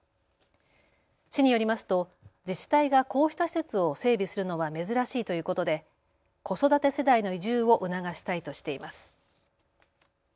市によりますと自治体がこうした施設を整備するのは珍しいということで子育て世帯の移住を促したいとしています。